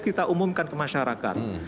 kita umumkan ke masyarakat